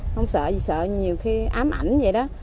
không sợ gì sợ nhiều khi ám ảnh vậy đó